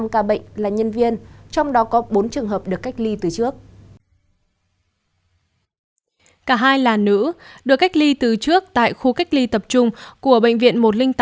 cả hai là nữ được cách ly từ trước tại khu cách ly tập trung của bệnh viện một trăm linh tám